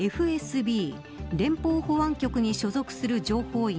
ＦＳＢ連邦保安局に所属する情報員